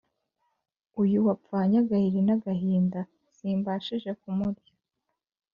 Uyu wapfanye agahiri n'agahinda, simbashije kumurya